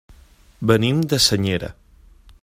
Venim de Senyera.